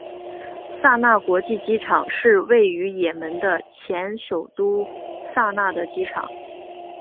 萨那国际机场是位于也门的前首都萨那的机场。